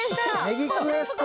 ネギクエスト